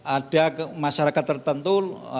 ada masyarakat tertentu